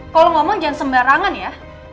kalau ngomong jangan sembarangan ya